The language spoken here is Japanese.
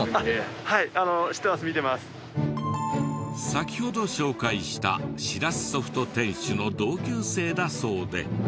先ほど紹介したシラスソフト店主の同級生だそうで。